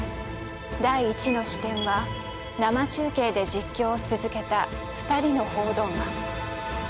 第１の視点は生中継で実況を続けた２人の報道マン。